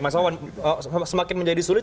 mas awan semakin menjadi sulit